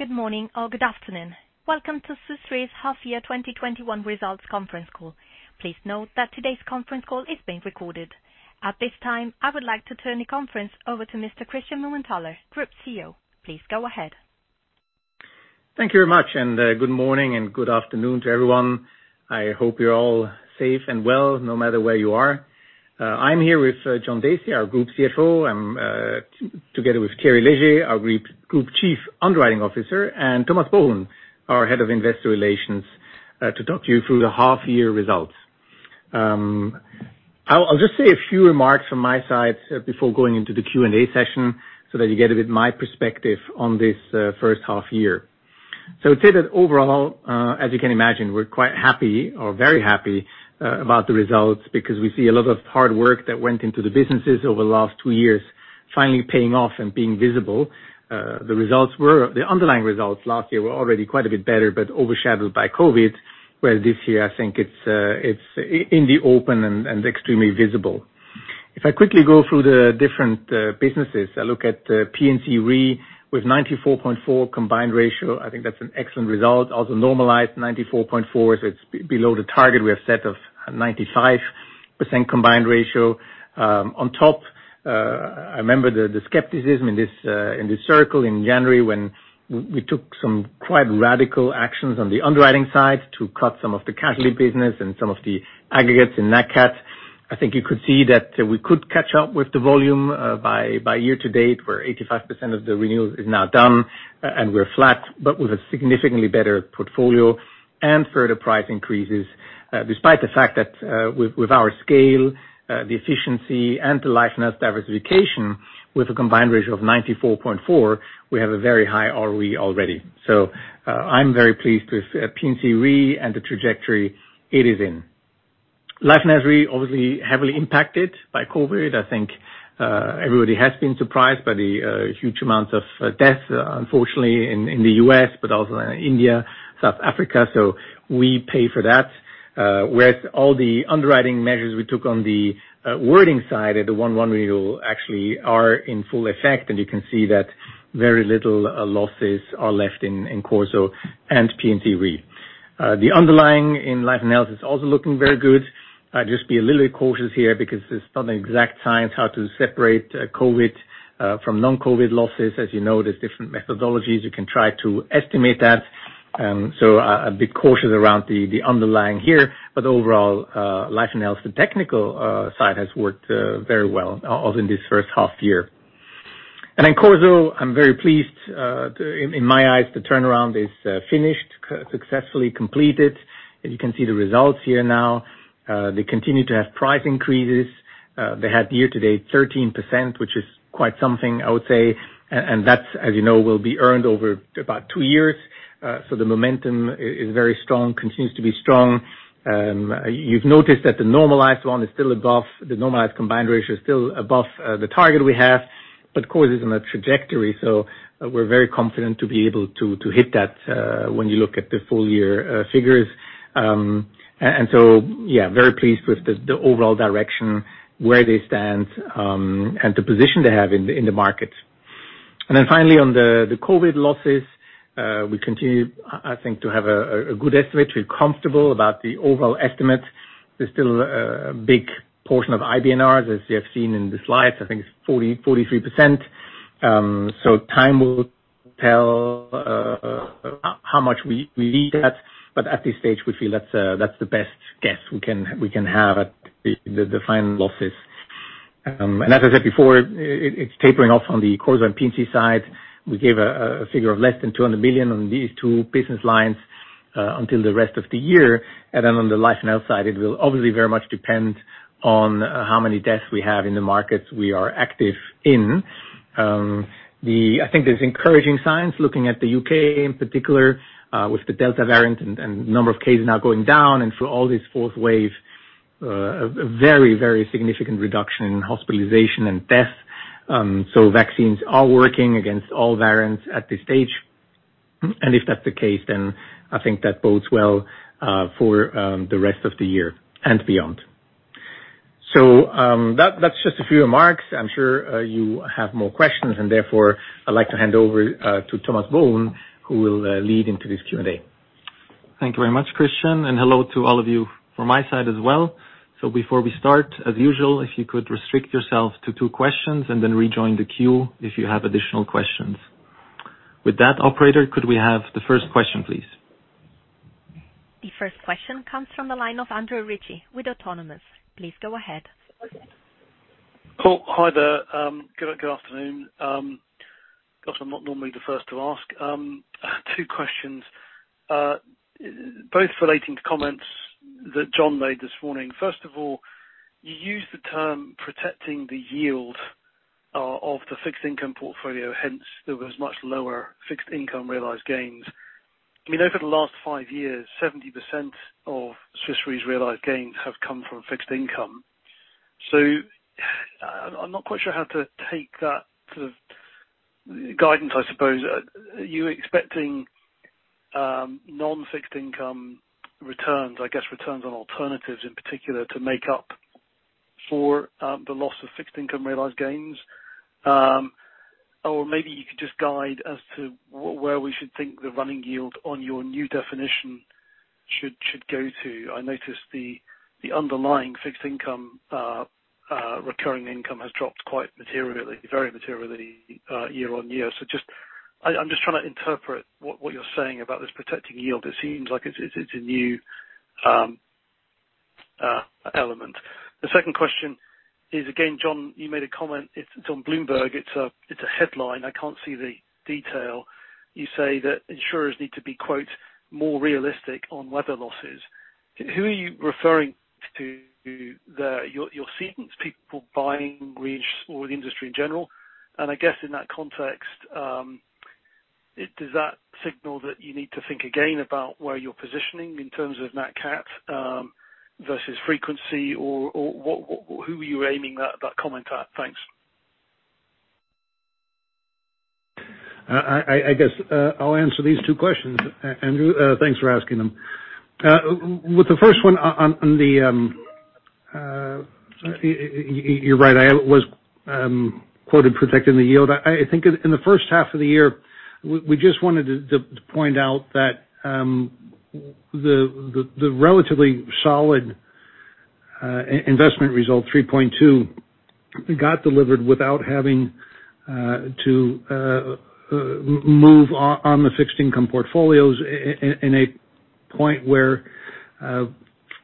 Good morning or good afternoon. Welcome to Swiss Re's half year 2021 results conference call. Please note that today's conference call is being recorded. At this time, I would like to turn the conference over to Mr. Christian Mumenthaler, Group CEO. Please go ahead. Thank you very much, and good morning and good afternoon to everyone. I hope you're all safe and well, no matter where you are. I'm here with John Dacey, our Group CFO, and together with Thierry Léger, our Group Chief Underwriting Officer, and Thomas Bohun, our Head of Investor Relations, to talk you through the half year results. I'll just say a few remarks from my side before going into the Q&A session so that you get a bit of my perspective on this H1 year. I'd say that overall, as you can imagine, we're quite happy or very happy about the results because we see a lot of hard work that went into the businesses over the last two years, finally paying off and being visible. The underlying results last year were already quite a bit better, but overshadowed by COVID, whereas this year, I think it's in the open and extremely visible. If I quickly go through the different businesses, I look at P&C Re with 94.4 combined ratio. I think that's an excellent result. Also normalized 94.4, so it's below the target we have set of 95% combined ratio. On top, I remember the skepticism in this circle in January when we took some quite radical actions on the underwriting side to cut some of the casualty business and some of the aggregates in NatCat. I think you could see that we could catch up with the volume by year-to-date, where 85% of the renewals is now done, and we're flat, but with a significantly better portfolio and further price increases, despite the fact that with our scale, the efficiency, and the life and health diversification, with a combined ratio of 94.4, we have a very high ROE already. I'm very pleased with P&C Re and the trajectory it is in. Life & Health Re, obviously heavily impacted by COVID. I think everybody has been surprised by the huge amount of deaths, unfortunately, in the U.S., but also in India, South Africa. We pay for that. With all the underwriting measures we took on the wording side of the 1/1 renewal actually are in full effect, and you can see that very little losses are left in Corporate Solutions and P&C Re. The underlying in Life & Health is also looking very good. I'd just be a little bit cautious here because there's not an exact science how to separate COVID from non-COVID losses. As you know, there's different methodologies. You can try to estimate that. I'd be cautious around the underlying here. Overall, Life & Health, the technical side has worked very well, also in this H1 year. CorSo, I'm very pleased. In my eyes, the turnaround is finished, successfully completed, and you can see the results here now. They continue to have price increases. They had year-to-date 13%, which is quite something, I would say. That, as you know, will be earned over about two years. The momentum is very strong, continues to be strong. You've noticed that the normalized combined ratio is still above the target we have. CorSo is on a trajectory. We're very confident to be able to hit that when you look at the full year figures. Yeah, very pleased with the overall direction, where they stand, and the position they have in the market. Finally, on the COVID losses, we continue, I think, to have a good estimate. We're comfortable about the overall estimate. There's still a big portion of IBNR, as you have seen in the slides. I think it's 43%. Time will tell how much we need that. At this stage, we feel that's the best guess we can have at the final losses. As I said before, it's tapering off on the CorSo and P&C side. We gave a figure of less than $200 million on these two business lines until the rest of the year. On the Life & Health side, it will obviously very much depend on how many deaths we have in the markets we are active in. I think there's encouraging signs looking at the U.K. in particular, with the Delta variant and number of cases now going down and through all this fourth wave, a very significant reduction in hospitalization and deaths. Vaccines are working against all variants at this stage. If that's the case, I think that bodes well for the rest of the year and beyond. That's just a few remarks. I'm sure you have more questions, I'd like to hand over to Thomas Bohun, who will lead into this Q&A. Thank you very much, Christian, and hello to all of you from my side as well. Before we start, as usual, if you could restrict yourself to two questions and then rejoin the queue if you have additional questions. With that, operator, could we have the first question, please? The first question comes from the line of Andrew Ritchie with Autonomous. Please go ahead. Cool. Hi there. Good afternoon. Guess I'm not normally the first to ask. Two questions, both relating to comments that John made this morning. First of all, you used the term protecting the yield of the fixed income portfolio, hence there was much lower fixed income realized gains. Over the last five years, 70% of Swiss Re's realized gains have come from fixed income. I'm not quite sure how to take that sort of guidance, I suppose. Are you expecting non-fixed income returns, I guess returns on alternatives in particular, to make up for the loss of fixed income realized gains? Maybe you could just guide us to where we should think the running yield on your new definition should go to. I noticed the underlying fixed income, recurring income has dropped quite materially, very materially year-on-year. I'm just trying to interpret what you're saying about this protecting yield. It seems like it's a new element. The second question is, again, John, you made a comment, it's on Bloomberg, it's a headline. I can't see the detail. You say that insurers need to be, quote, "more realistic on weather losses." Who are you referring to there? Your cedents, people buying reinsurance, or the industry in general? I guess in that context, does that signal that you need to think again about where you're positioning in terms of NatCat versus frequency or who are you aiming that comment at? Thanks. I guess, I'll answer these two questions, Andrew. Thanks for asking them. With the first one. You're right. I was quoted protecting the yield. I think in the H1 of the year, we just wanted to point out that the relatively solid investment result, 3.2, got delivered without having to move on the fixed income portfolios in a point where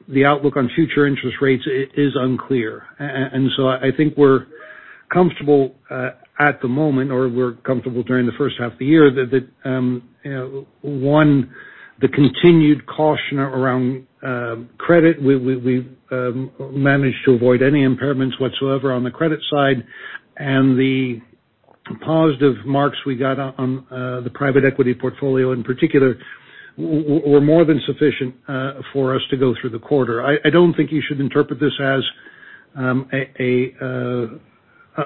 the outlook on future interest rates is unclear. I think we're comfortable at the moment, or we're comfortable during the H1 of the year that, one, the continued caution around credit. We managed to avoid any impairments whatsoever on the credit side. The positive marks we got on the private equity portfolio in particular, were more than sufficient for us to go through the quarter. I don't think you should interpret this as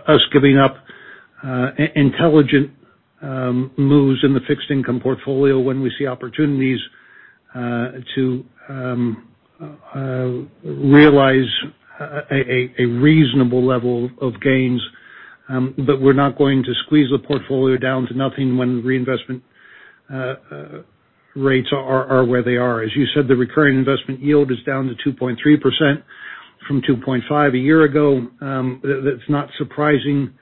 us giving up intelligent moves in the fixed income portfolio when we see opportunities to realize a reasonable level of gains. We're not going to squeeze the portfolio down to nothing when reinvestment rates are where they are. As you said, the recurring investment yield is down to 2.3% from 2.5% a year ago. That's not surprising,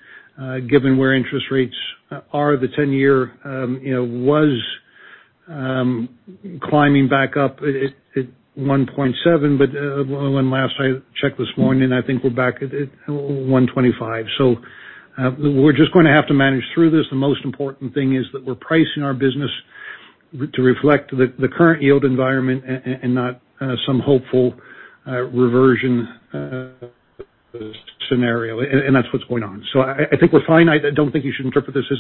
given where interest rates are. The 10-year was climbing back up at 1.7, but when last I checked this morning, I think we're back at 1.25. We're just going to have to manage through this. The most important thing is that we're pricing our business to reflect the current yield environment and not some hopeful reversion scenario. That's what's going on. I think we're fine. I don't think you should interpret this as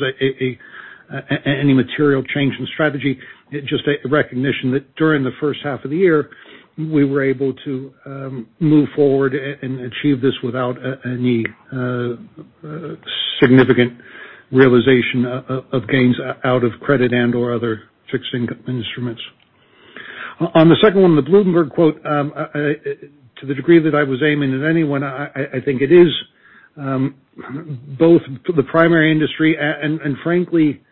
any material change in strategy. Just a recognition that during the H1 of the year, we were able to move forward and achieve this without any significant realization of gains out of credit and/or other fixed income instruments. On the second one, the Bloomberg quote, to the degree that I was aiming at anyone, I think it is both the primary industry and frankly,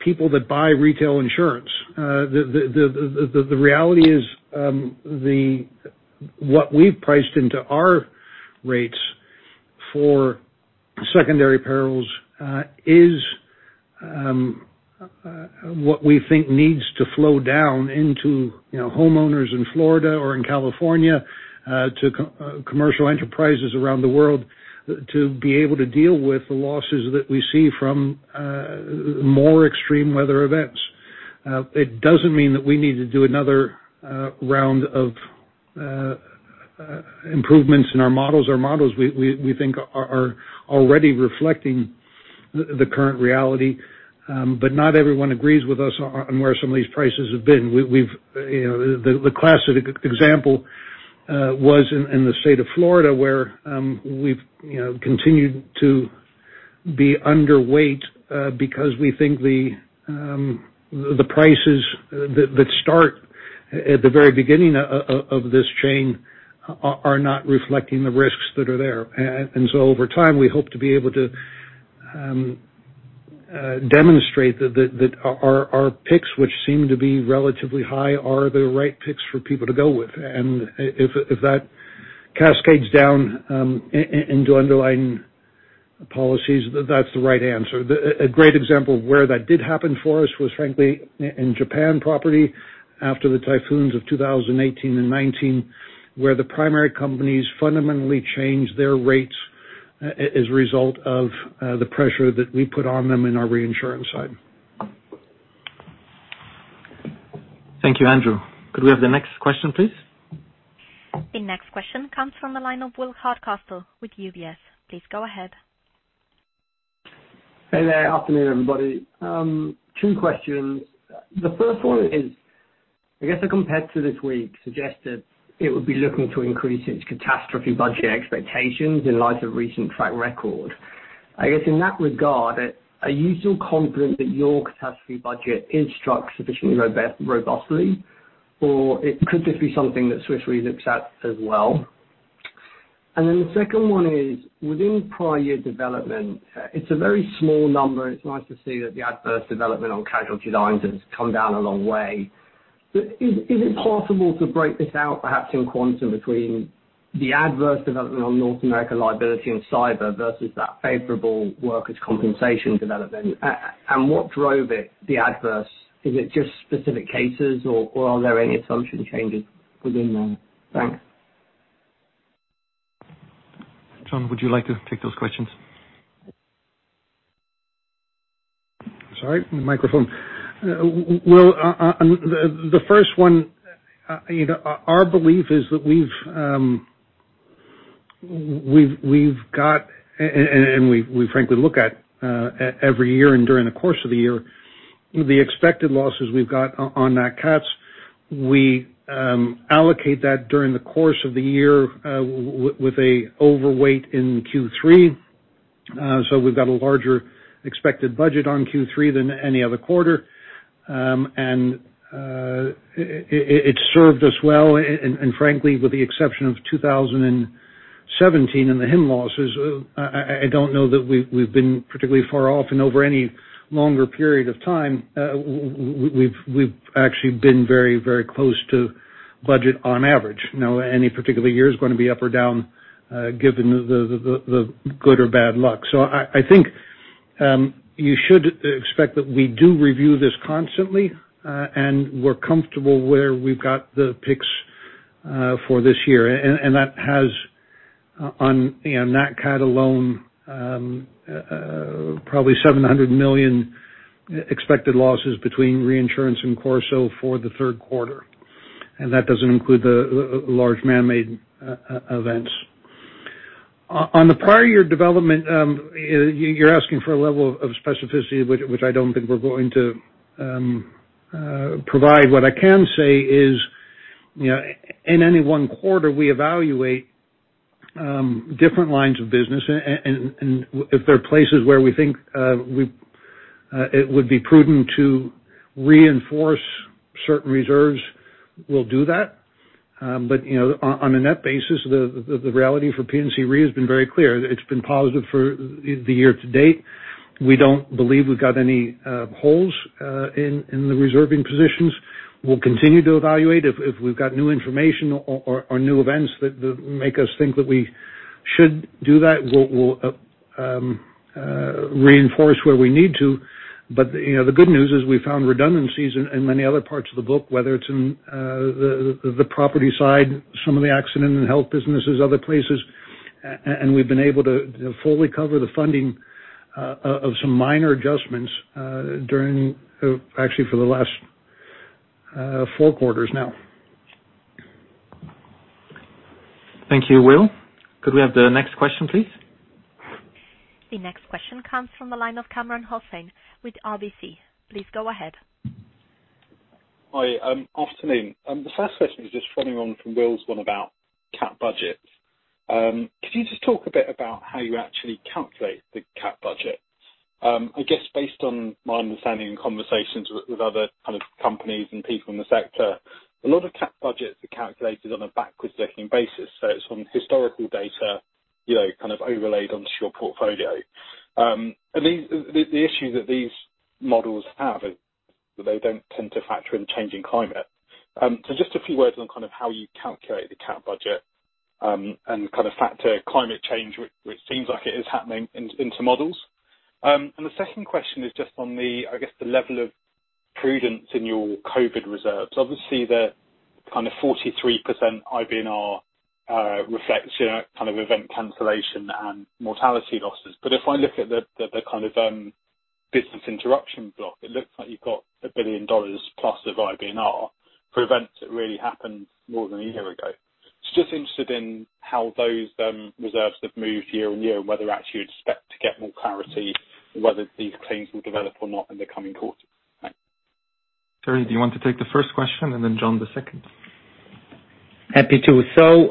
people that buy retail insurance. The reality is, what we've priced into our rates for secondary perils is what we think needs to flow down into homeowners in Florida or in California, to commercial enterprises around the world to be able to deal with the losses that we see from more extreme weather events. It doesn't mean that we need to do another round of improvements in our models. Our models, we think, are already reflecting the current reality. Not everyone agrees with us on where some of these prices have been. The classic example was in the state of Florida, where we've continued to be underweight because we think the prices that start at the very beginning of this chain are not reflecting the risks that are there. Over time, we hope to be able to demonstrate that our picks, which seem to be relatively high, are the right picks for people to go with. If that cascades down into underlying policies, that's the right answer. A great example of where that did happen for us was frankly, in Japan property after the typhoons of 2018 and 2019, where the primary companies fundamentally changed their rates as a result of the pressure that we put on them in our reinsurance side. Thank you, Andrew. Could we have the next question, please? The next question comes from the line of Will Hardcastle with UBS. Please go ahead. Hey there. Afternoon, everybody. Two questions. The first one is, I guess a competitor this week suggested it would be looking to increase its catastrophe budget expectations in light of recent track record. I guess in that regard, are you still confident that your catastrophe budget is struck sufficiently robustly, or could this be something that Swiss Re looks at as well? The second one is within prior year development, it's a very small number. It's nice to see that the adverse development on casualty lines has come down a long way. Is it possible to break this out, perhaps in quantum between the adverse development on North American liability and cyber versus that favorable workers' compensation development? What drove it, the adverse? Is it just specific cases, or are there any assumption changes within there? Thanks. John, would you like to take those questions? Sorry, microphone. The first one, our belief is that we've got, and we frankly look at every year and during the course of the year, the expected losses we've got on NatCat, we allocate that during the course of the year with an overweight in Q3. We've got a larger expected budget on Q3 than any other quarter. It served us well, frankly, with the exception of 2017 and the HIM losses, I don't know that we've been particularly far off and over any longer period of time. We've actually been very close to budget on average. Any particular year is going to be up or down, given the good or bad luck. I think you should expect that we do review this constantly, and we're comfortable where we've got the picks for this year. That has on NatCat alone probably $700 million expected losses between reinsurance and CorSo for the Q3. That doesn't include the large man-made events. On the prior year development, you're asking for a level of specificity which I don't think we're going to provide. What I can say is, in any one quarter, we evaluate different lines of business. If there are places where we think it would be prudent to reinforce certain reserves, we'll do that. On a net basis, the reality for P&C Re has been very clear. It's been positive for the year-to-date. We don't believe we've got any holes in the reserving positions. We'll continue to evaluate if we've got new information or new events that make us think that we should do that. We'll reinforce where we need to. The good news is we found redundancies in many other parts of the book, whether it's in the property side, some of the accident and health businesses, other places, and we've been able to fully cover the funding of some minor adjustments during, actually for the last four quarters now. Thank you, Will. Could we have the next question, please? The next question comes from the line of Kamran Hossain with RBC. Please go ahead. Hi, afternoon. The first question is just following on from Will's one about cat budgets. Could you just talk a bit about how you actually calculate the Cat budget? I guess based on my understanding and conversations with other kind of companies and people in the sector, a lot of cat budgets are calculated on a backwards-looking basis. It's from historical data kind of overlaid onto your portfolio. The issue that these models have is that they don't tend to factor in changing climate. Just a few words on kind of how you calculate the cat budget, and kind of factor climate change, which seems like it is happening into models. The second question is just on the, I guess, the level of prudence in your COVID reserves. Obviously, the kind of 43% IBNR reflects kind of event cancellation and mortality losses. If I look at the kind of business interruption block, it looks like you've got $1 billion plus of IBNR for events that really happened more than a year ago. Just interested in how those reserves have moved year-on-year, and whether actually you'd expect to get more clarity on whether these claims will develop or not in the coming quarters. Thanks. Thierry Léger, do you want to take the first question and then John Dacey the second? Happy to.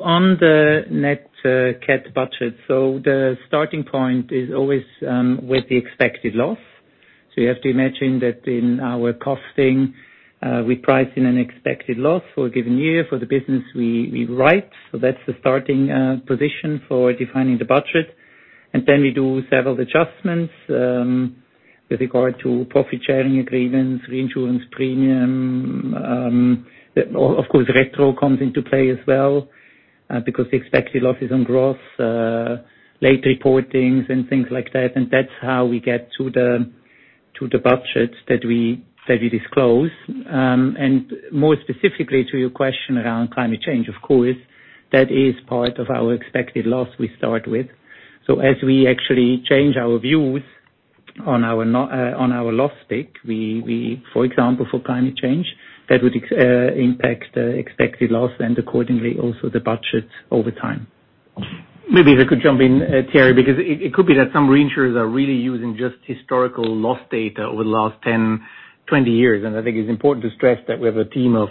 On the NatCat budget. The starting point is always with the expected loss. You have to imagine that in our costing, we price in an expected loss for a given year for the business we write. That's the starting position for defining the budget. We do several adjustments, with regard to profit sharing agreements, reinsurance premium. Of course, retro comes into play as well, because the expected loss is on growth, late reportings and things like that. That's how we get to the budget that we disclose. More specifically to your question around climate change, of course, that is part of our expected loss we start with. As we actually change our views on our loss pick, for example for climate change, that would impact the expected loss and accordingly, also the budget over time. Maybe if I could jump in, Thierry, because it could be that some reinsurers are really using just historical loss data over the last 10 years, 20 years. I think it's important to stress that we have a team of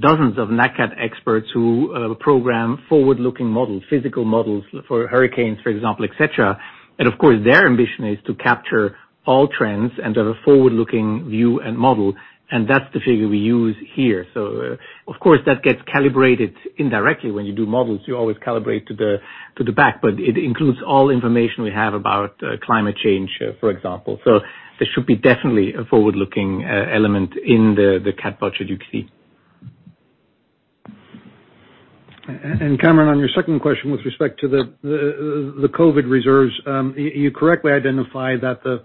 dozens of NatCat experts who program forward-looking models, physical models for hurricanes, for example, et cetera. Of course, their ambition is to capture all trends and have a forward-looking view and model, and that's the figure we use here. Of course, that gets calibrated indirectly. When you do models, you always calibrate to the back, but it includes all information we have about climate change, for example. There should be definitely a forward-looking element in the cat budget you see. Kamran, on your second question with respect to the COVID reserves, you correctly identified that the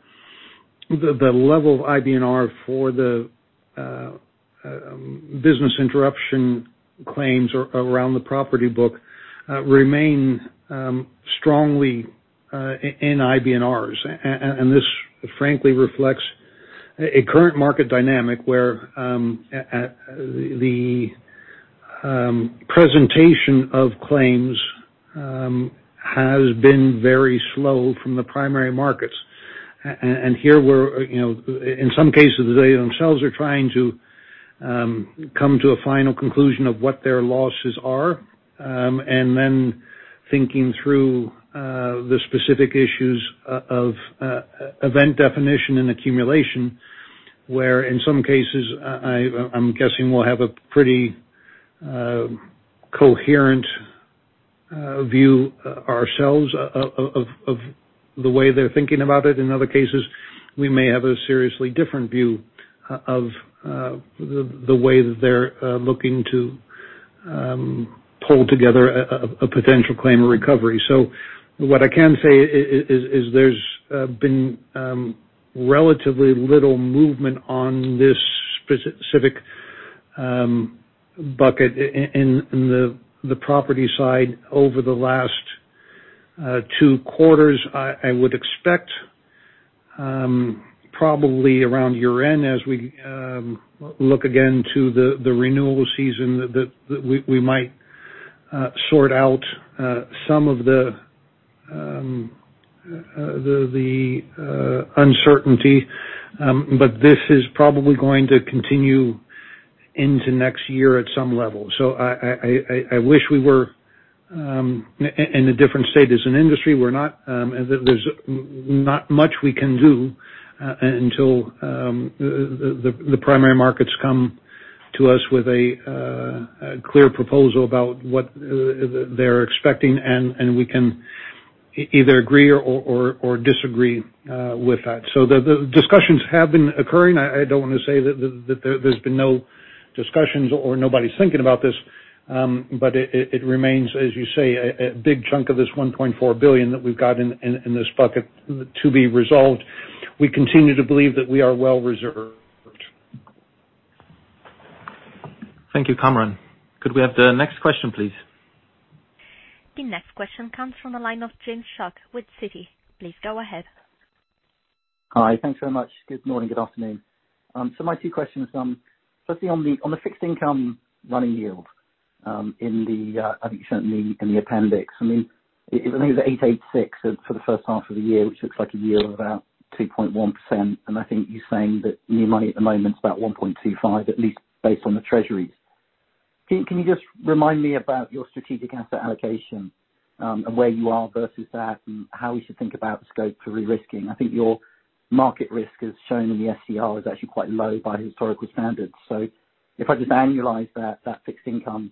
level of IBNR for the business interruption claims around the property book remain strongly in IBNRs. This frankly reflects a current market dynamic where the presentation of claims has been very slow from the primary markets. Here where, in some cases, they themselves are trying to come to a final conclusion of what their losses are, then thinking through the specific issues of event definition and accumulation, where in some cases, I'm guessing we'll have a pretty coherent view ourselves of the way they're thinking about it. In other cases, we may have a seriously different view of the way that they're looking to pull together a potential claim or recovery. What I can say is there's been relatively little movement on this specific bucket in the property side over the last two quarters. I would expect probably around year-end as we look again to the renewal season, that we might sort out some of the uncertainty. This is probably going to continue into next year at some level. I wish we were in a different state as an industry. We're not. There's not much we can do until the primary markets come to us with a clear proposal about what they're expecting, and we can either agree or disagree with that. The discussions have been occurring. I don't want to say that there's been no discussions or nobody's thinking about this. It remains, as you say, a big chunk of this $1.4 billion that we've got in this bucket to be resolved. We continue to believe that we are well-reserved. Thank you, Kamran. Could we have the next question, please? The next question comes from the line of James Schuck with Citi. Please go ahead. Hi. Thanks very much. Good morning. Good afternoon. My two questions, firstly on the fixed income running yield in the, I think you showed in the appendix. I think it was at $886 for the H1 of the year, which looks like a yield of about 2.1%. I think you're saying that new money at the moment is about 1.25%, at least based on the treasuries. Can you just remind me about your strategic asset allocation, and where you are versus that, and how we should think about the scope for risking? I think your market risk as shown in the SCR is actually quite low by historical standards. If I just annualize that fixed income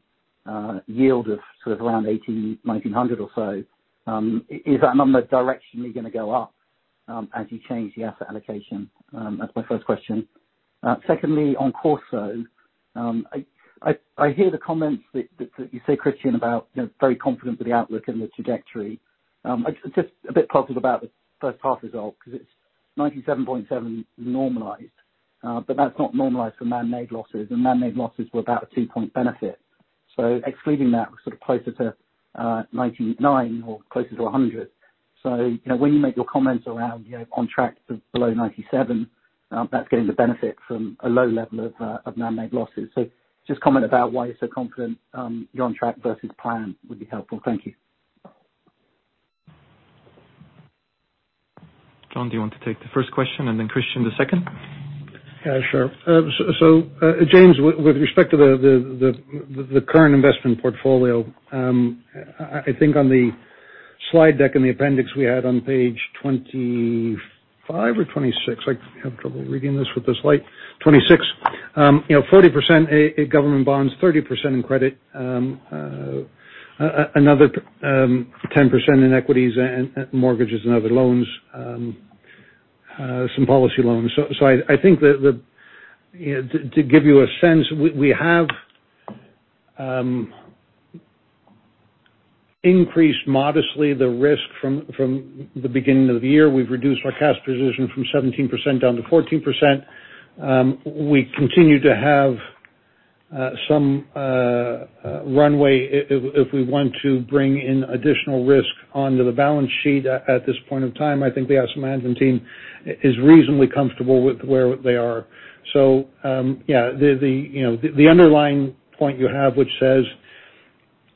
yield of sort of around $1,800, $1,900 or so, is that number directionally going to go up as you change the asset allocation? That's my first question. Secondly, on CorSo. I hear the comments that you say, Christian, about very confident with the outlook and the trajectory. I'm just a bit puzzled about the H1 result because it's 97.7 normalized, but that's not normalized for man-made losses, and man-made losses were about a two-point benefit. Excluding that, we're sort of closer to 99 or closer to 100. When you make your comments around on track below 97, that's getting the benefit from a low level of man-made losses. Just comment about why you're so confident you're on track versus plan would be helpful. Thank you. John, do you want to take the first question and then Christian the second? Yeah, sure. James, with respect to the current investment portfolio, I think on the slide deck in the appendix we had on page 25 or 26, I have trouble reading this with this light. Page 26 40% government bonds, 30% in credit. Another 10% in equities and mortgages and other loans, some policy loans. I think that to give you a sense, we have increased modestly the risk from the beginning of the year. We've reduced our cash position from 17% down to 14%. We continue to have some runway if we want to bring in additional risk onto the balance sheet at this point in time. I think the asset management team is reasonably comfortable with where they are. The underlying point you have, which says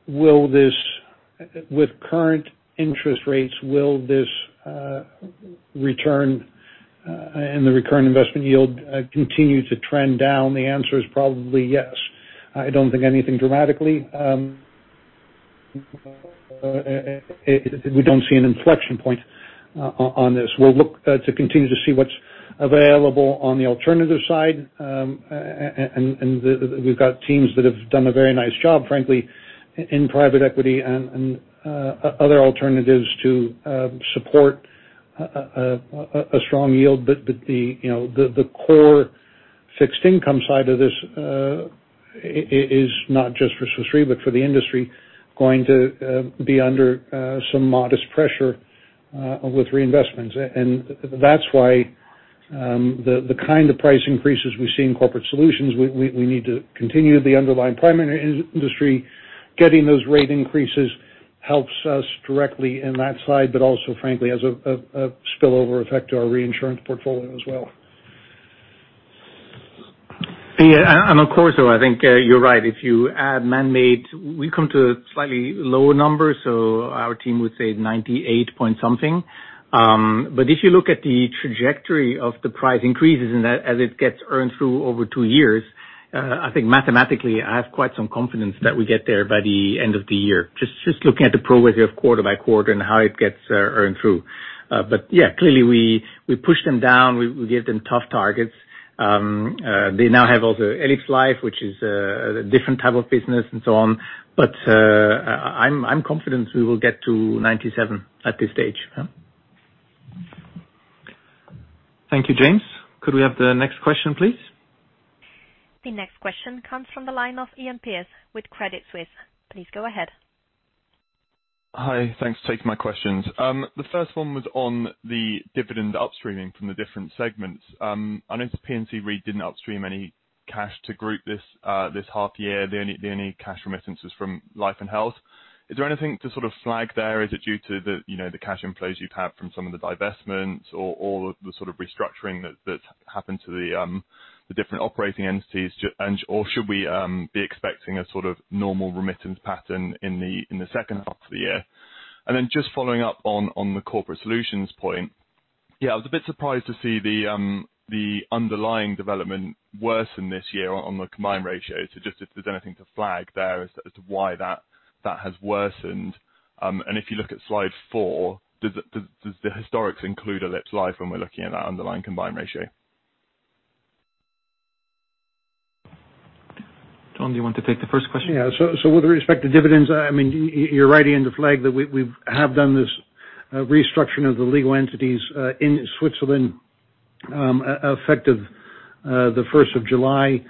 with current interest rates, will this return and the recurring investment yield continue to trend down? The answer is probably yes. I don't think anything dramatically. We don't see an inflection point on this. We'll look to continue to see what's available on the alternative side, and we've got teams that have done a very nice job, frankly, in private equity and other alternatives to support a strong yield. The core fixed income side of this is, not just for Swiss Re but for the industry, going to be under some modest pressure with reinvestments. That's why the kind of price increases we see in Corporate Solutions, we need to continue the underlying primary industry. Getting those rate increases helps us directly in that slide, but also frankly, has a spillover effect to our reinsurance portfolio as well. Of course, though, I think you're right. If you add manmade, we come to a slightly lower number, so our team would say 98% something. If you look at the trajectory of the price increases and as it gets earned through over two years, I think mathematically, I have quite some confidence that we get there by the end of the year. Just looking at the progress of quarter-by-quarter and how it gets earned through. Yeah, clearly we push them down. We give them tough targets. They now have also elipsLife, which is a different type of business and so on. I'm confident we will get to 97% at this stage. Thank you. James. Could we have the next question, please? The next question comes from the line of Iain Pearce with Credit Suisse. Please go ahead. Hi. Thanks for taking my questions. The first one was on the dividend upstreaming from the different segments. I notice P&C Re didn't upstream any cash to group this half year. The only cash remittance was from Life and Health. Is there anything to sort of flag there? Is it due to the cash inflows you've had from some of the divestments or the sort of restructuring that's happened to the different operating entities? Should we be expecting a sort of normal remittance pattern in the H2 of the year? Just following up on the Corporate Solutions point. I was a bit surprised to see the underlying development worsen this year on the combined ratio. Just if there's anything to flag there as to why that has worsened. If you look at slide four, does the historics include elipsLife when we're looking at that underlying combined ratio? John, do you want to take the first question? Yeah. With respect to dividends, you're right in the flag that we have done this restructuring of the legal entities in Switzerland effective July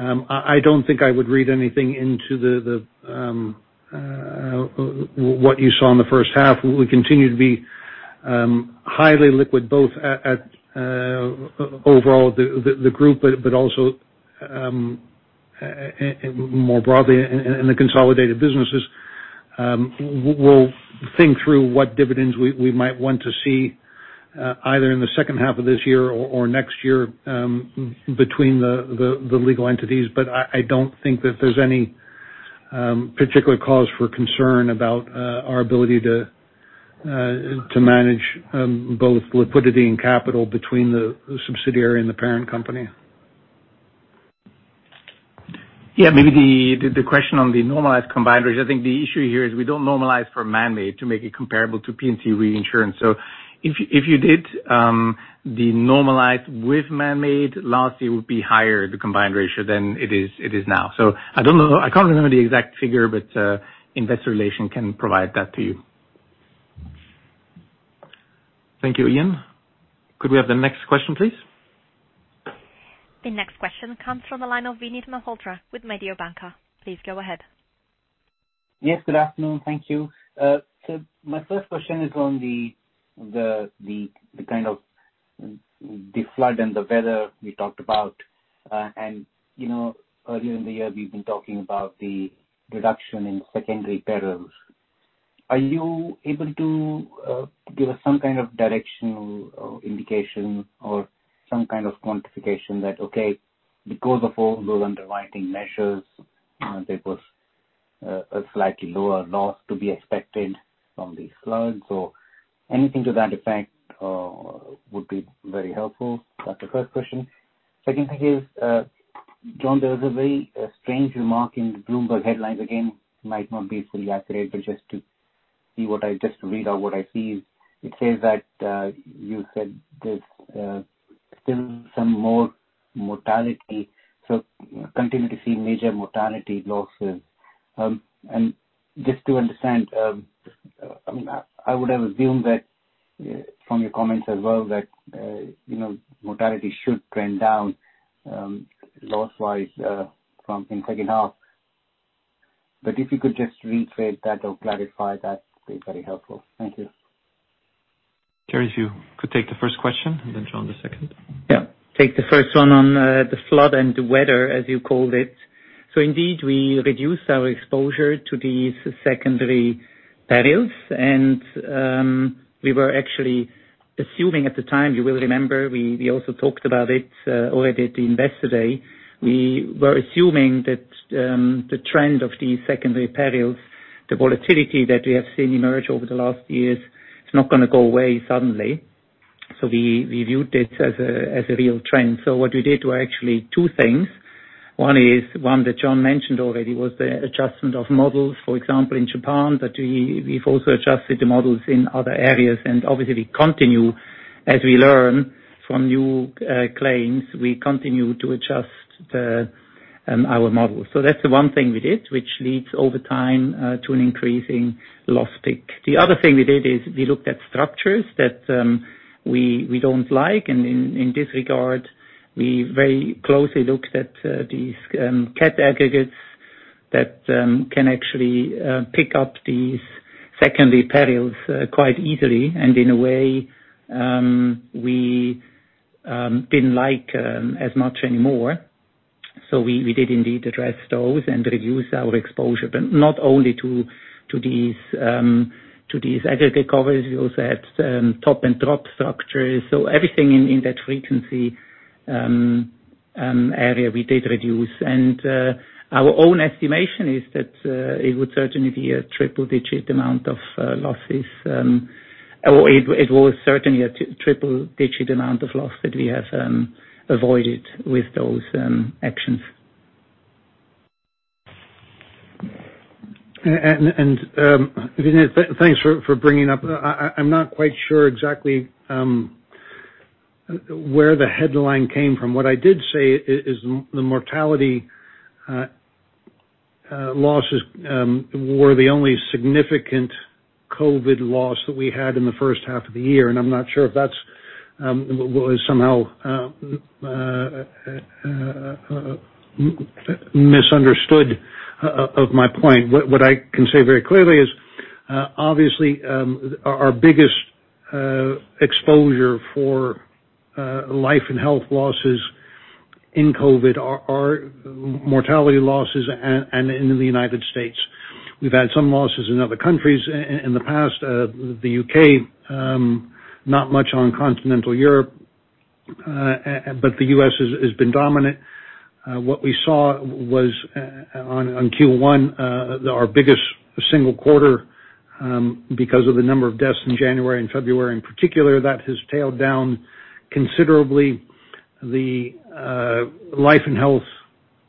1st. I don't think I would read anything into what you saw in the H1. We continue to be highly liquid, both at overall the Group, but also more broadly in the consolidated businesses. We'll think through what dividends we might want to see, either in the H2 of this year or next year between the legal entities. I don't think that there's any particular cause for concern about our ability to manage both liquidity and capital between the subsidiary and the parent company. Maybe the question on the normalized combined ratio. I think the issue here is we don't normalize for manmade to make it comparable to P&C Reinsurance. If you did the normalized with manmade last year, it would be higher, the combined ratio than it is now. I can't remember the exact figure, but Investor Relations can provide that to you. Thank you, Iain. Could we have the next question, please? The next question comes from the line of Vinit Malhotra with Mediobanca. Please go ahead. Yes, good afternoon. Thank you. My first question is on the kind of the flood and the weather we talked about. Earlier in the year, we've been talking about the reduction in secondary perils. Are you able to give us some kind of directional indication or some kind of quantification that, okay, because of all those underwriting measures, there was a slightly lower loss to be expected from these floods? Anything to that effect would be very helpful. That's the first question. Second thing is, John, there is a very strange remark in the Bloomberg headlines. Again, might not be fully accurate, but just to read out what I see, it says that you said there's still some more mortality, so continue to see major mortality losses. Just to understand, I would have assumed that from your comments as well, that mortality should trend down loss-wise from in H2. If you could just rephrase that or clarify, that'd be very helpful. Thank you. Thierry, if you could take the first question and then John the second. Yeah. Take the first one on the flood and the weather, as you called it. Indeed, we reduced our exposure to these secondary perils, and we were actually assuming at the time, you will remember, we also talked about it already at the investor day. We were assuming that the trend of the secondary perils, the volatility that we have seen emerge over the last years, is not going to go away suddenly. We viewed this as a real trend. What we did were actually two things. One is that John mentioned already, was the adjustment of models, for example, in Japan, but we've also adjusted the models in other areas. Obviously, we continue as we learn from new claims, we continue to adjust our models. That's the one thing we did, which leads over time to an increasing loss pick. The other thing we did is we looked at structures that we don't like, and in this regard, we very closely looked at these catastrophe aggregates that can actually pick up these secondary perils quite easily. In a way, we didn't like as much anymore. We did indeed address those and reduce our exposure, but not only to these aggregate covers, we also had Top and Drop structures. Everything in that frequency area we did reduce. Our own estimation is that it would certainly be a triple-digit amount of losses. It was certainly a triple-digit amount of loss that we have avoided with those actions. Vinit, thanks for bringing up. I'm not quite sure exactly where the headline came from. What I did say is the mortality losses were the only significant COVID loss that we had in the H1 of the year, and I'm not sure if that's somehow misunderstood of my point. What I can say very clearly is, obviously, our biggest exposure for Life & Health Reinsurance losses in COVID are mortality losses and in the U.S. We've had some losses in other countries in the past, the U.K., not much on continental Europe. The U.S. has been dominant. What we saw was on Q1, our biggest single quarter, because of the number of deaths in January and February in particular, that has tailed down considerably. The Life & Health Reinsurance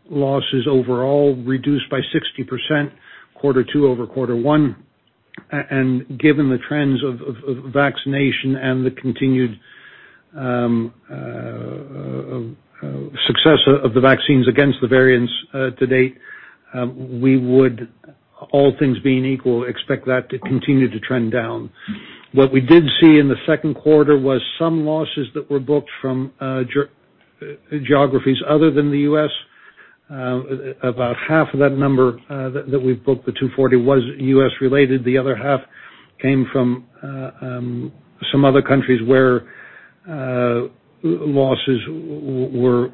losses overall reduced by 60% Q2-over-Q1. Given the trends of vaccination and the continued success of the vaccines against the variants to date, we would, all things being equal, expect that to continue to trend down. What we did see in the Q2 was some losses that were booked from geographies other than the U.S. About half of that number that we've booked, the 240, was U.S. related. The other half came from some other countries where losses were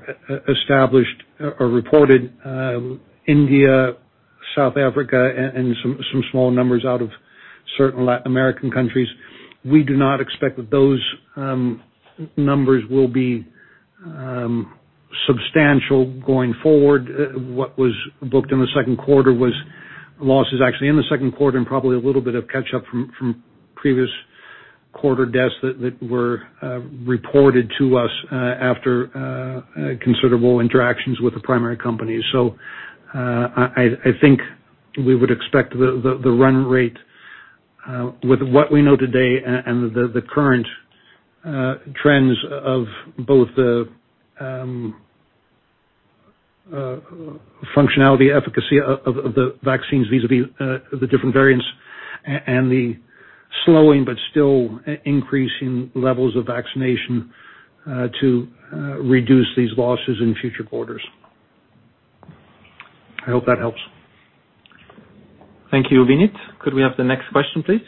established or reported. India, South Africa, and some small numbers out of certain Latin American countries. We do not expect that those numbers will be substantial going forward. What was booked in the Q2 was losses actually in the Q2 and probably a little bit of catch up from previous quarter deaths that were reported to us after considerable interactions with the primary company. I think we would expect the run rate with what we know today and the current trends of both the functionality efficacy of the vaccines vis-a-vis the different variants and the slowing but still increasing levels of vaccination to reduce these losses in future quarters. I hope that helps. Thank you, Vinit. Could we have the next question, please?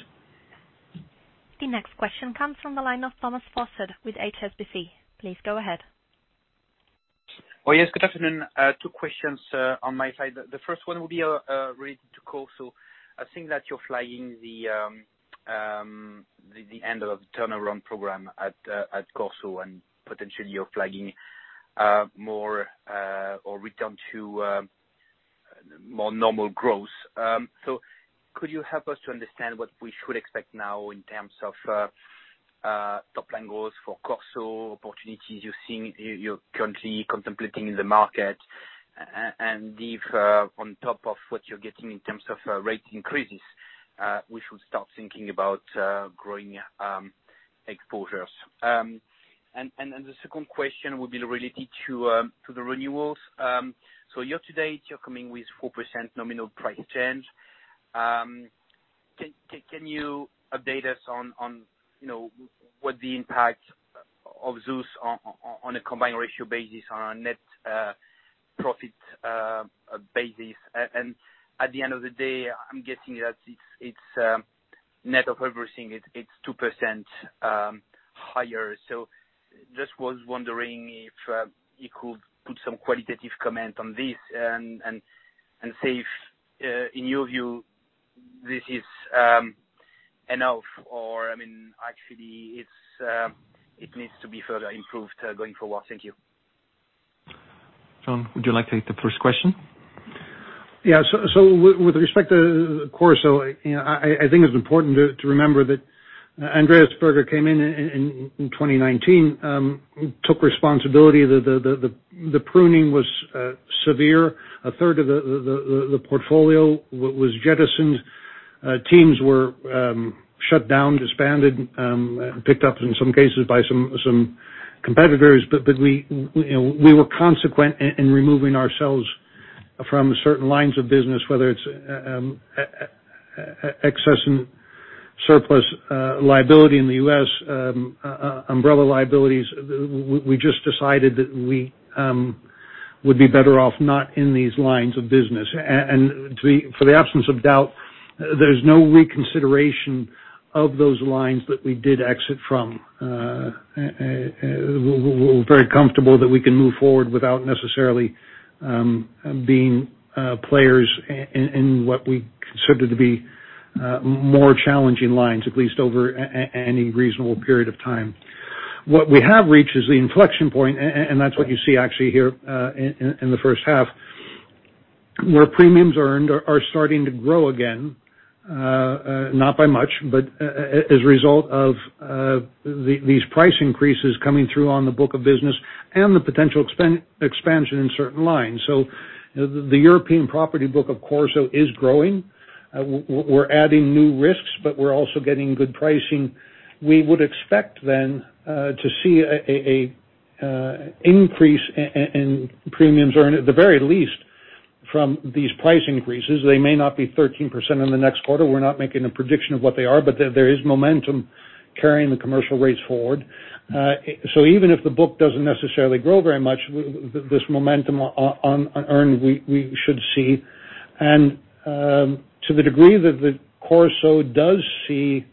The next question comes from the line of Thomas Fossard with HSBC. Please go ahead. Oh, yes. Good afternoon. Two questions on my side. The first one will be related to CorSo. I think that you're flagging the end of the turnaround program at CorSo and potentially you're flagging more or return to more normal growth. Could you help us to understand what we should expect now in terms of top line goals for CorSo, opportunities you're currently contemplating in the market, and if on top of what you're getting in terms of rate increases, we should start thinking about growing exposures. The second question would be related to the renewals. Year-to-date, you're coming with 4% nominal price change. Can you update us on what the impact of those on a combined ratio basis, on a net profit basis? At the end of the day, I'm guessing that it's net of everything, it's 2% higher. Just was wondering if you could put some qualitative comment on this and say if, in your view, this is enough, or actually it needs to be further improved going forward? Thank you. John, would you like to take the first question? Yeah. With respect to CorSo, I think it's important to remember that Andreas Berger came in in 2019, took responsibility. The pruning was severe. A third of the portfolio was jettisoned. Teams were shut down, disbanded, and picked up in some cases by some competitors. We were consequent in removing ourselves from certain lines of business, whether it's excess and surplus liability in the U.S., umbrella liabilities. We just decided that we would be better off not in these lines of business. For the absence of doubt, there's no reconsideration of those lines that we did exit from. We're very comfortable that we can move forward without necessarily being players in what we consider to be more challenging lines, at least over any reasonable period of time. What we have reached is the inflection point, and that's what you see actually here, in the H1. Premiums earned are starting to grow again, not by much, but as a result of these price increases coming through on the book of business and the potential expansion in certain lines. The European property book, of CorSo, is growing. We're adding new risks, but we're also getting good pricing. We would expect then to see an increase in premiums earned, at the very least, from these price increases. They may not be 13% in the next quarter. We're not making a prediction of what they are, but there is momentum carrying the commercial rates forward. Even if the book doesn't necessarily grow very much, this momentum unearned, we should see. To the degree that the CorSo does see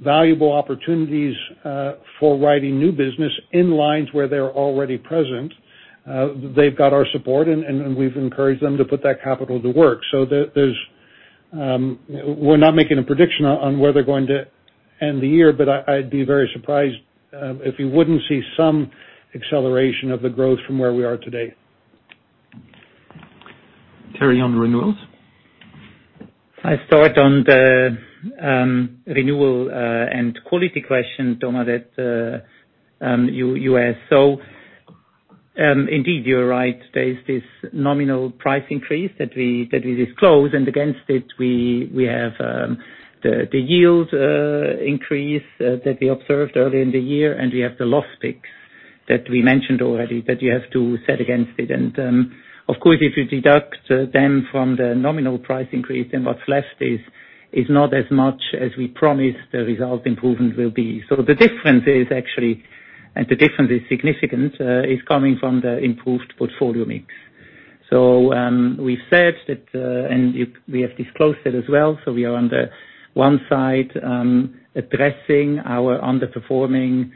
valuable opportunities for writing new business in lines where they're already present, they've got our support and we've encouraged them to put that capital to work. We're not making a prediction on where they're going to end the year. I'd be very surprised if you wouldn't see some acceleration of the growth from where we are today. Thierry, on renewals. I start on the renewal and quality question, Thomas, that you asked. Indeed, you're right. There is this nominal price increase that we disclose, and against it, we have the yield increase that we observed early in the year, and we have the loss picks that we mentioned already that you have to set against it. Of course, if you deduct them from the nominal price increase, then what's left is not as much as we promised the result improvement will be. The difference is actually, and the difference is significant, is coming from the improved portfolio mix. We said that, and we have disclosed it as well. We are on the one side, addressing our underperforming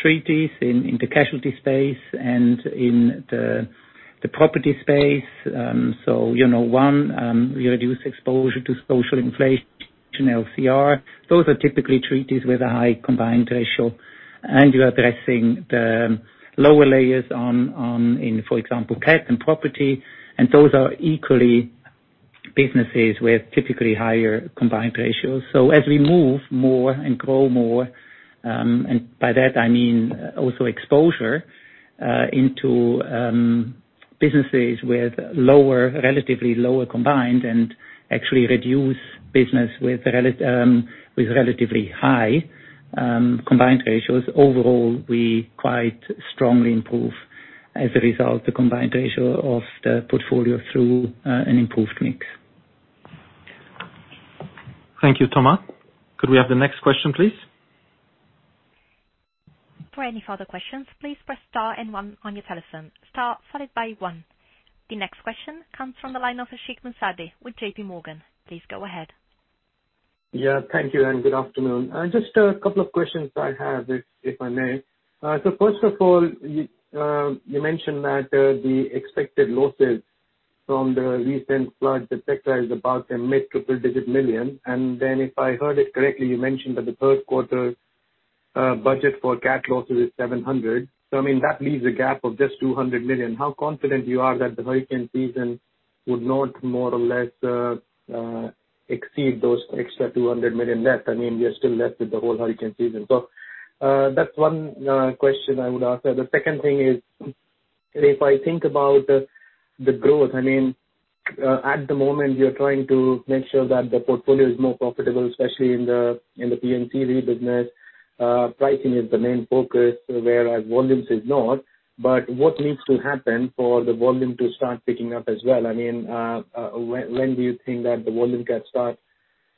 treaties in the casualty space and in the property space. One, we reduce exposure to social inflation LCR. Those are typically treaties with a high combined ratio. You're addressing the lower layers in, for example, Cat and property. Those are equally businesses with typically higher combined ratios. As we move more and grow more, and by that I mean also exposure, into businesses with relatively lower combined and actually reduce business with relatively high combined ratios. Overall, we quite strongly improve as a result the combined ratio of the portfolio through an improved mix. Thank you, Thomas. Could we have the next question, please? For any further questions, please press star and one on your telephone. Star followed by one. The next question comes from the line of Ashik Musaddi with JPMorgan. Please go ahead. Thank you and good afternoon. Just a couple of questions I have, if I may. First of all, you mentioned that the expected losses from the recent flood et cetera is about a mid triple digit million. If I heard it correctly, you mentioned that the Q3 budget for cat losses is $700 million. That leaves a gap of just $200 million. How confident you are that the hurricane season would not more or less exceed those extra $200 million left? We are still left with the whole hurricane season. That's one question I would ask. The second thing is, if I think about the growth, at the moment, you're trying to make sure that the portfolio is more profitable, especially in the P&C Re business. Pricing is the main focus where volumes is not. What needs to happen for the volume to start picking up as well? When do you think that the volume can start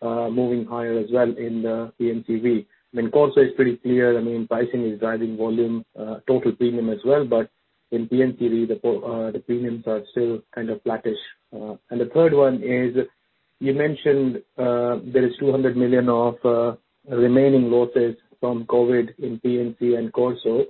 moving higher as well in the P&C Re? Corporate Solutions is pretty clear. Pricing is driving volume, total premium as well. In P&C Re, the premiums are still kind of flattish. The third one is, you mentioned there is $200 million of remaining losses from COVID in P&C and Corporate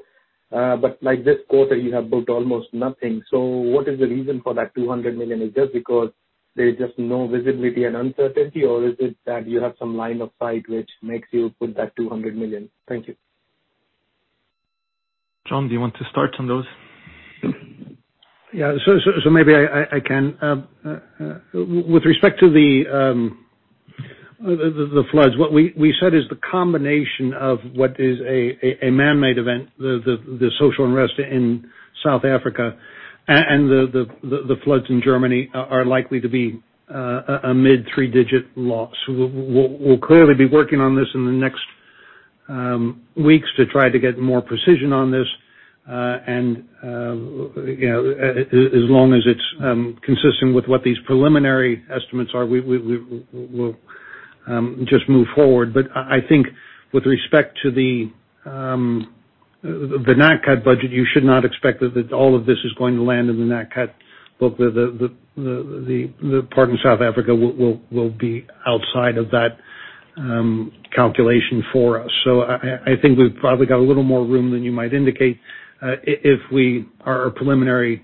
Solutions. Like this quarter, you have booked almost nothing. What is the reason for that $200 million? Is just because there's just no visibility and uncertainty, or is it that you have some line of sight which makes you put that $200 million? Thank you. John, do you want to start on those? Yeah. Maybe I can. With respect to the floods, what we said is the combination of what is a man-made event, the social unrest in South Africa and the floods in Germany are likely to be a mid three-digit loss. We'll clearly be working on this in the next weeks to try to get more precision on this. As long as it's consistent with what these preliminary estimates are, we'll just move forward. I think with respect to the NatCat budget, you should not expect that all of this is going to land in the NatCat book. The part in South Africa will be outside of that calculation for us. I think we've probably got a little more room than you might indicate, if our preliminary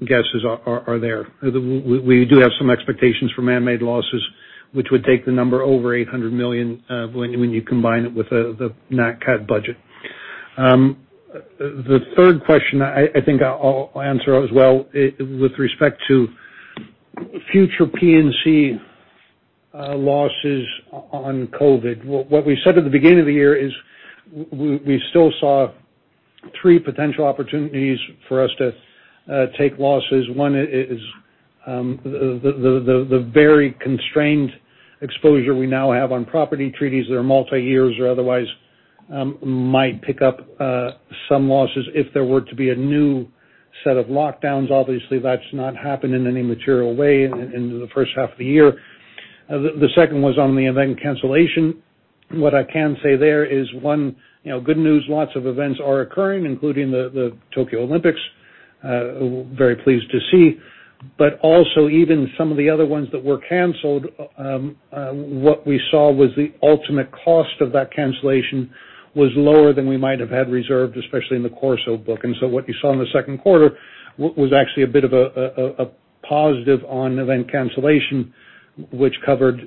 guesses are there. We do have some expectations for manmade losses, which would take the number over $800 million, when you combine it with the NatCat budget. The third question, I think I'll answer as well. With respect to future P&C losses on COVID. What we said at the beginning of the year is we still saw three potential opportunities for us to take losses. One is the very constrained exposure we now have on property treaties that are multi-years or otherwise, might pick up some losses if there were to be a new set of lockdowns. Obviously, that's not happened in any material way in the H2 of the year. The second was on the event cancellation. What I can say there is one, good news, lots of events are occurring, including the Tokyo Olympics. Very pleased to see, also even some of the other ones that were canceled, what we saw was the ultimate cost of that cancellation was lower than we might have had reserved, especially in the CorSo book. What you saw in the Q2 was actually a bit of a positive on event cancellation, which covered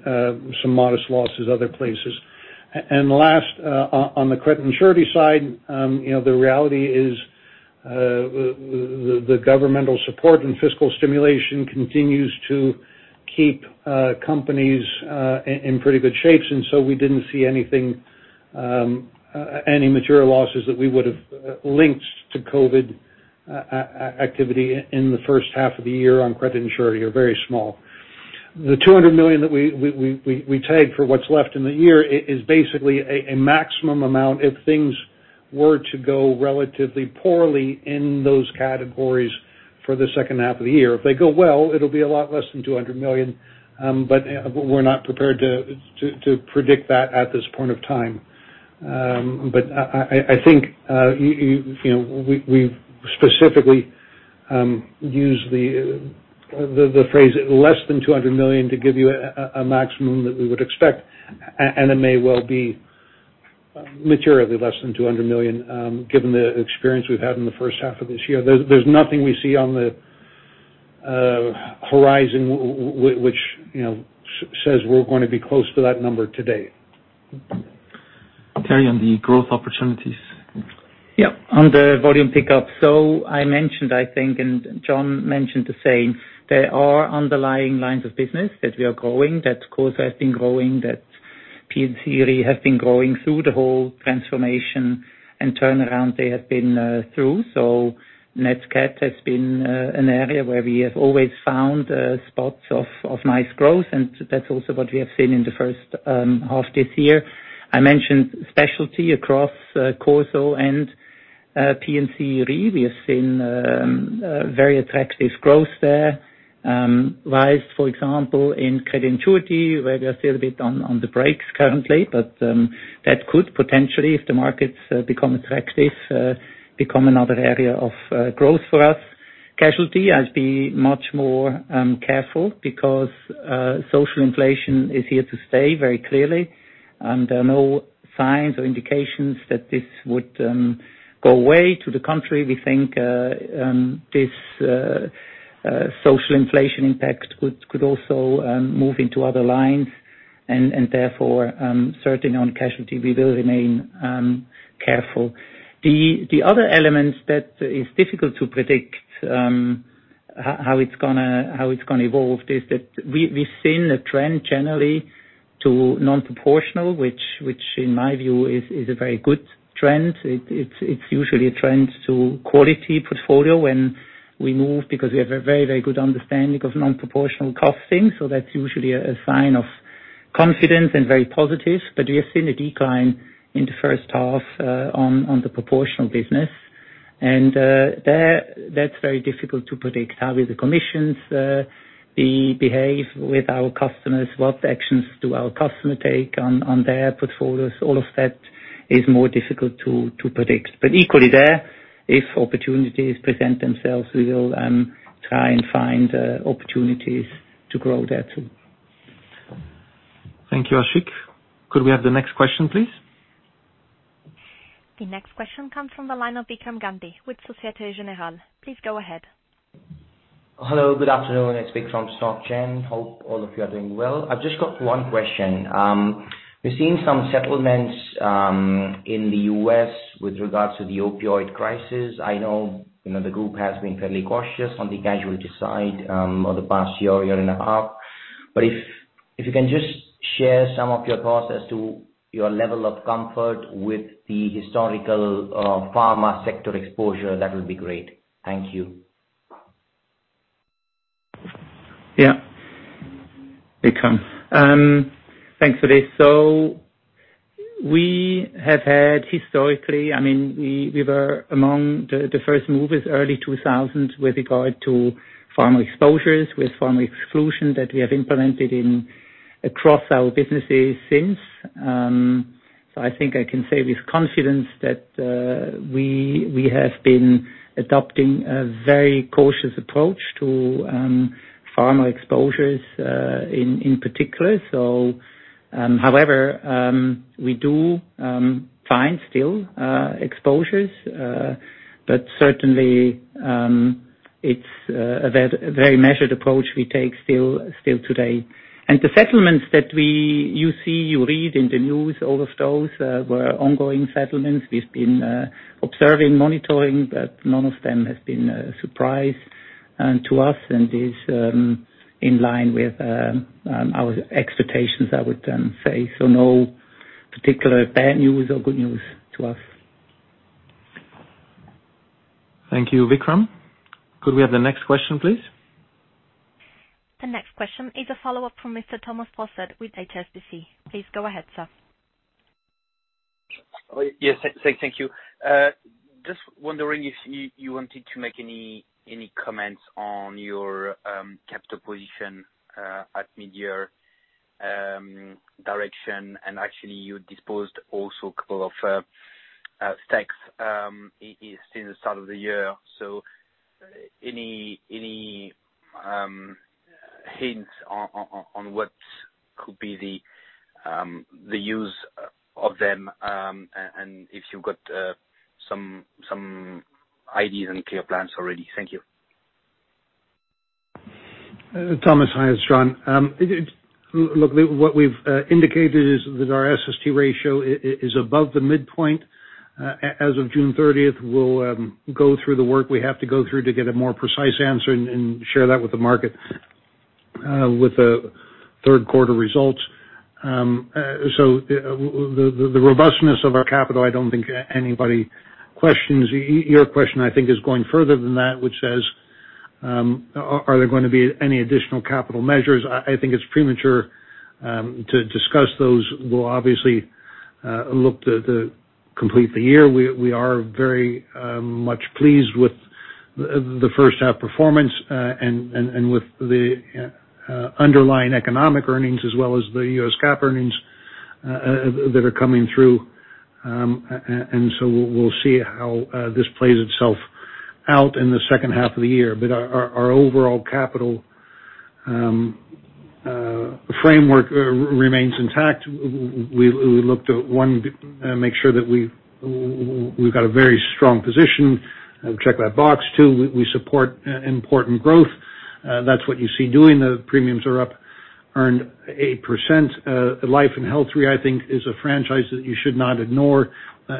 some modest losses other places. Last, on the credit and surety side, the reality is, the governmental support and fiscal stimulation continues to keep companies in pretty good shapes. We didn't see any material losses that we would have linked to COVID activity in the H1 of the year on credit and surety are very small. The $200 million that we tagged for what's left in the year is basically a maximum amount if things were to go relatively poorly in those categories for the H2 of the year. If they go well, it'll be a lot less than $200 million. We're not prepared to predict that at this point of time. I think we specifically use the phrase less than $200 million to give you a maximum that we would expect. It may well be materially less than $200 million, given the experience we've had in the H1 of this year. There's nothing we see on the horizon, which says we're going to be close to that number today. Thierry Léger, on the growth opportunities. Yeah. On the volume pickup. I mentioned, I think, and John Dacey mentioned the same, there are underlying lines of business that we are growing, that CorSo has been growing, that P&C Re has been growing through the whole transformation and turnaround they have been through. NatCat has been an area where we have always found spots of nice growth, and that's also what we have seen in the H1 this year. I mentioned specialty across CorSo and P&C Re. We have seen very attractive growth there. rise, for example, in credit surety, where we are still a bit on the brakes currently, but that could potentially, if the markets become attractive, become another area of growth for us. Casualty, I'd be much more careful because social inflation is here to stay very clearly, and there are no signs or indications that this would go away to the country. We think this social inflation impact could also move into other lines and therefore, certainly on casualty, we will remain careful. The other elements that is difficult to predict, how it's going to evolve is that we've seen a trend generally to non-proportional, which in my view is a very good trend. It's usually a trend to quality portfolio when we move because we have a very good understanding of non-proportional costing. That's usually a sign of confidence and very positive. We have seen a decline in the H1 on the proportional business. That's very difficult to predict. How will the commissions behave with our customers? What actions do our customers take on their portfolios? All of that is more difficult to predict. Equally there, if opportunities present themselves, we will try and find opportunities to grow there too. Thank you, Ashik. Could we have the next question, please? The next question comes from the line of Vikram Gandhi with Societe Generale. Please go ahead. Hello, good afternoon. It's Vikram from Societe Generale. Hope all of you are doing well. I've just got one question. We're seeing some settlements in the U.S. with regards to the opioid crisis. I know the group has been fairly cautious on the casualty side over the past year and a half. If you can just share some of your thoughts as to your level of comfort with the historical pharma sector exposure, that would be great. Thank you. Yeah, Vikram. Thanks for this. We have had historically, we were among the first movers, early 2000, with regard to pharma exposures, with pharma exclusion, that we have implemented across our businesses since. I think I can say with confidence that we have been adopting a very cautious approach to pharma exposures in particular. However, we do find still exposures, but certainly, it's a very measured approach we take still today. The settlements that you see, you read in the news, all of those were ongoing settlements we've been observing, monitoring, but none of them has been a surprise to us and is in line with our expectations, I would then say. No particular bad news or good news to us. Thank you, Vikram. Could we have the next question, please? The next question is a follow-up from Mr. Thomas Fossard with HSBC. Please go ahead, sir. Yes. Thank you. Just wondering if you wanted to make any comments on your capital position at mid-year, direction, and actually you disposed also a couple of stakes since the start of the year. Any hints on what could be the use of them, and if you've got some ideas and clear plans already? Thank you. Thomas, hi, it's John. What we've indicated is that our SST ratio is above the midpoint as of June 30th. We'll go through the work we have to go through to get a more precise answer and share that with the market with the Q3 results. The robustness of our capital, I don't think anybody questions. Your question, I think, is going further than that, which says, are there going to be any additional capital measures. I think it's premature to discuss those. We'll obviously look to complete the year. We are very much pleased with the H1 performance and with the underlying economic earnings as well as the U.S. GAAP earnings that are coming through. We'll see how this plays itself out in the H2 of the year. Our overall capital framework remains intact. We looked at one, make sure that we've got a very strong position. Check that box. Two, we support important growth. That's what you see doing, the premiums are up, earned 8%. Life and Health Re, I think is a franchise that you should not ignore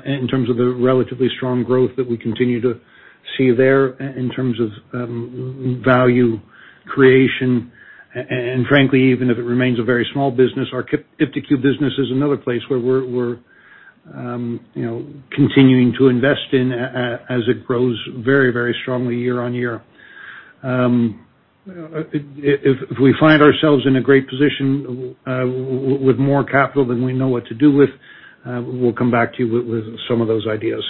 in terms of the relatively strong growth that we continue to see there in terms of value creation. Frankly, even if it remains a very small business, our iptiQ business is another place where we're continuing to invest in as it grows very strongly year-on-year. If we find ourselves in a great position with more capital than we know what to do with, we'll come back to you with some of those ideas.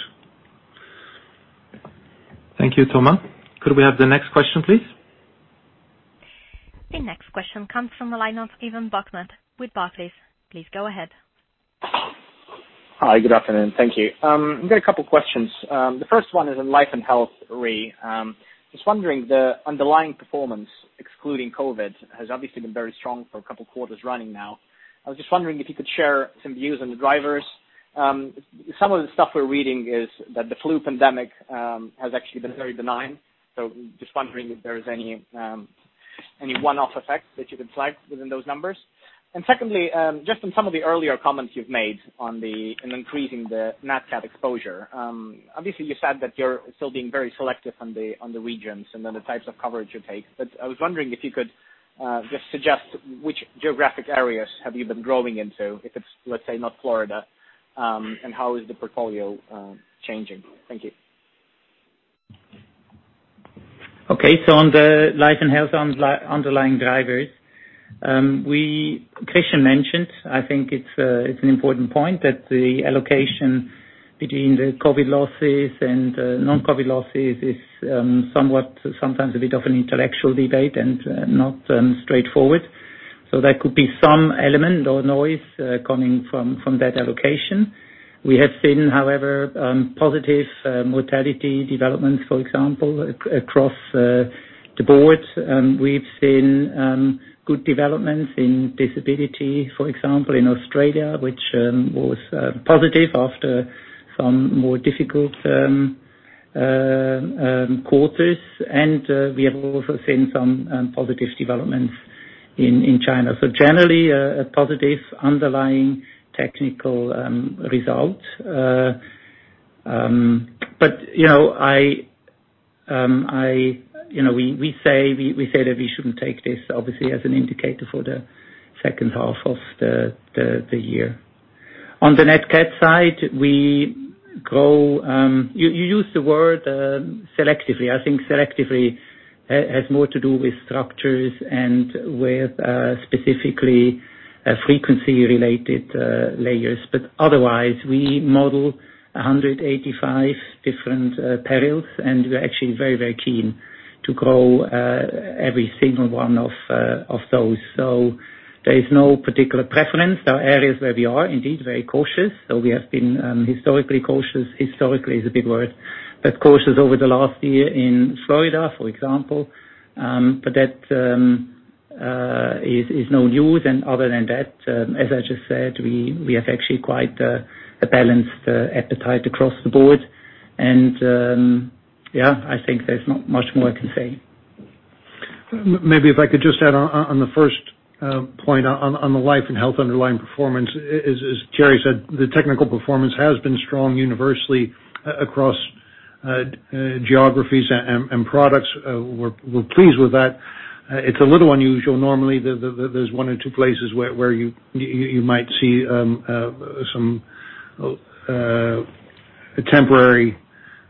Thank you, Thomas. Could we have the next question, please? The next question comes from the line of Ivan Bokhmat with Barclays. Please go ahead. Hi, good afternoon. Thank you. I've got a couple questions. The first one is on Life & Health Re. Just wondering, the underlying performance, excluding COVID, has obviously been very strong for a couple of quarters running now. I was just wondering if you could share some views on the drivers. Some of the stuff we're reading is that the flu pandemic has actually been very benign. Just wondering if there is any one-off effect that you can flag within those numbers. Secondly, just on some of the earlier comments you've made on increasing the NatCat exposure. Obviously, you said that you're still being very selective on the regions and then the types of coverage you take, but I was wondering if you could just suggest which geographic areas have you been growing into, if it's, let's say, not Florida. How is the portfolio changing? Thank you. On the Life & Health underlying drivers, Christian mentioned, I think it is an important point that the allocation between the COVID losses and non-COVID losses is somewhat sometimes a bit of an intellectual debate and not straightforward. There could be some element or noise coming from that allocation. We have seen, however, positive mortality developments, for example, across the board. We have seen good developments in disability, for example, in Australia, which was positive after some more difficult quarters. We have also seen some positive developments in China. Generally, a positive underlying technical result. We say that we shouldn't take this obviously as an indicator for the H2 of the year. On the NatCat side, you used the word selectively. I think selectively has more to do with structures and with specifically frequency related layers. Otherwise, we model 185 different perils, we're actually very keen to grow every single one of those. There is no particular preference. There are areas where we are indeed very cautious. We have been historically cautious. Historically is a big word, but cautious over the last year in Florida, for example. That is no news. Other than that, as I just said, we have actually quite a balanced appetite across the board. I think there's not much more I can say. If I could just add on the first point on the life and health underlying performance. As Thierry said, the technical performance has been strong universally across geographies and products. We're pleased with that. It's a little unusual. Normally, there's one or two places where you might see some temporary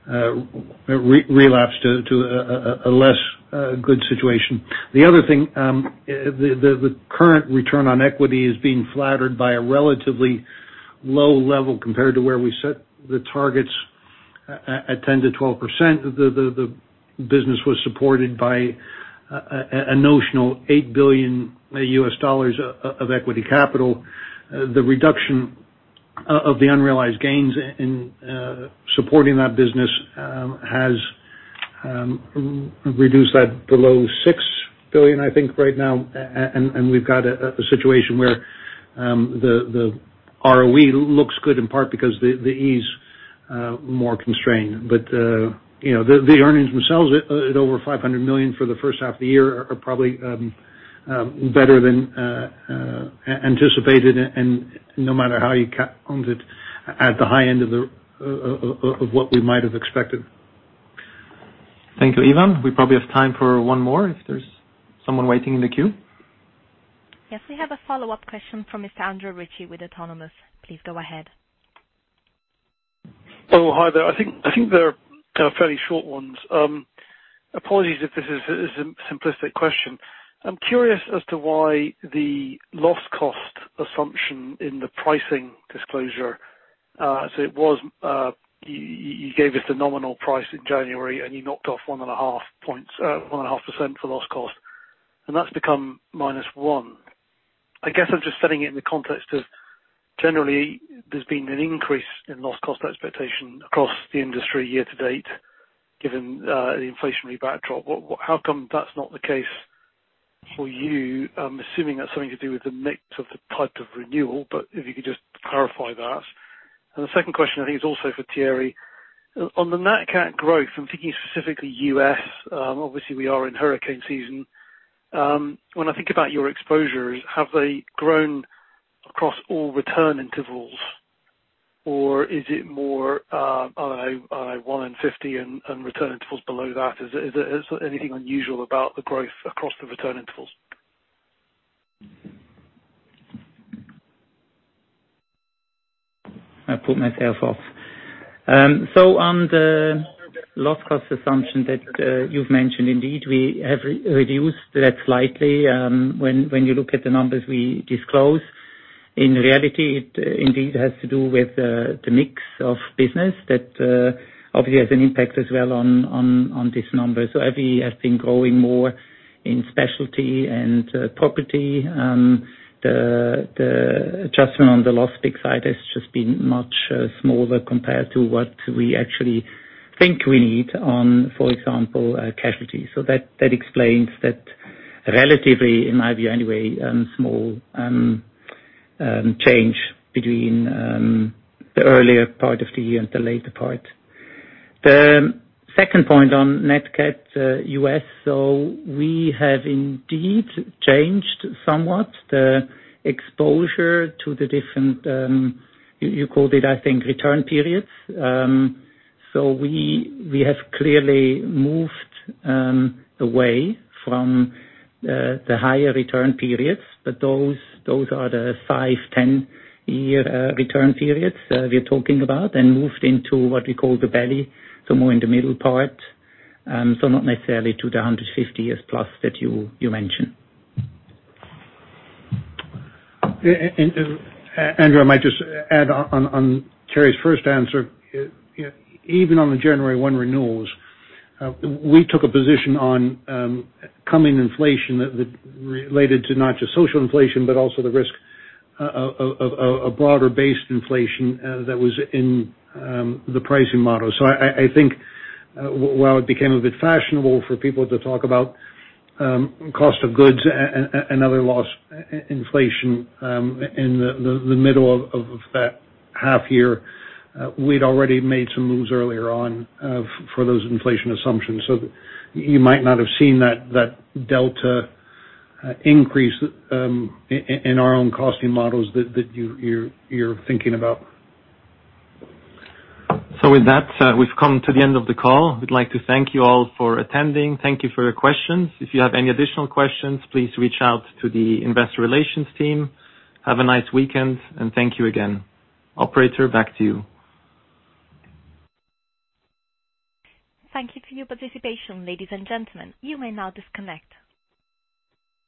relapse to a less good situation. The other thing, the current return on equity is being flattered by a relatively low level compared to where we set the targets at 10%-12%. The business was supported by a notional $8 billion of equity capital. The reduction of the unrealized gains in supporting that business has reduced that below $6 billion, I think, right now. We've got a situation where the ROE looks good, in part because the E is more constrained. The earnings themselves at over $500 million for the H1 of the year are probably better than anticipated, and no matter how you count it, at the high end of what we might have expected. Thank you, Ivan. We probably have time for one more, if there's someone waiting in the queue. Yes, we have a follow-up question from Mr. Andrew Ritchie with Autonomous. Please go ahead. Oh, hi there. I think they're fairly short ones. Apologies if this is a simplistic question. I'm curious as to why the loss cost assumption in the pricing disclosure, you gave us the nominal price in January, and you knocked off 1.5% for loss cost, and that's become -1%. I guess I'm just setting it in the context of, generally, there's been an increase in loss cost expectation across the industry year-to-date, given the inflationary backdrop. How come that's not the case for you? I'm assuming that's something to do with the mix of the type of renewal, but if you could just clarify that. The second question, I think is also for Thierry. On the NatCat growth, I'm thinking specifically U.S. Obviously, we are in hurricane season. When I think about your exposures, have they grown across all return intervals? Is it more, I don't know, one in 50 and return intervals below that? Is there anything unusual about the growth across the return intervals? I put myself off. On the loss cost assumption that you've mentioned, indeed, we have reduced that slightly. When you look at the numbers we disclose, in reality, it indeed has to do with the mix of business that obviously has an impact as well on this number. We have been growing more in specialty and property. The adjustment on the loss pick side has just been much smaller compared to what we actually think we need on, for example, casualty. That explains that relatively, in my view, anyway, small change between the earlier part of the year and the later part. The second point on NatCat U.S., we have indeed changed somewhat the exposure to the different, you called it, I think, return periods. We have clearly moved away from the higher return periods. Those are the 5-year, 10-year return periods we're talking about, and moved into what we call the belly, so more in the middle part. Not necessarily to the 150 years+ that you mentioned. Andrew, I might just add on Thierry's first answer. Even on the January 1 renewals, we took a position on coming inflation related to not just social inflation, but also the risk of broader-based inflation that was in the pricing model. I think while it became a bit fashionable for people to talk about cost of goods and other loss inflation in the middle of that half year, we'd already made some moves earlier on for those inflation assumptions. You might not have seen that delta increase in our own costing models that you're thinking about. With that, we've come to the end of the call. We'd like to thank you all for attending. Thank you for your questions. If you have any additional questions, please reach out to the investor relations team. Have a nice weekend, and thank you again. Operator, back to you. Thank you for your participation, ladies and gentlemen. You may now disconnect.